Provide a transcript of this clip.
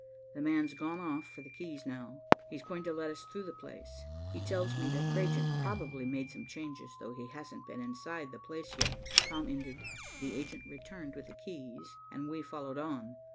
The man's gone off for the keys now. He's going to let us go through the place. He tells me that Cragent probably made some changes, though he hasn't been inside the place yet." Tom ended, the agent returned with the keys, and we followed on.